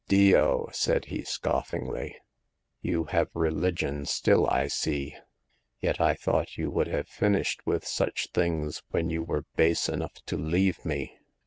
D/o/"said he, scoffingly. You have re ligion still, I see ; yet I thought you would have finished with such things when you were base enough to leave me.